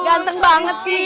ganteng banget sih